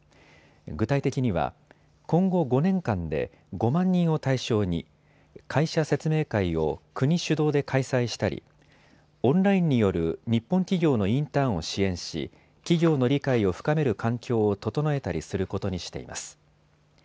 具体的には今後５年間で５万人を対象に会社説明会を国主導で開催したりオンラインによる日本企業のインターンを支援し、企業の理解を深める環境を整えたりすることにしています。